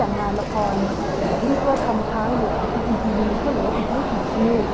หรือวางแผนชีวิตเป็นยังไงหรือวางแผนชีวิตเป็นยังไง